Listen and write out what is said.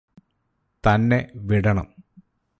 തന്നെ വിടണം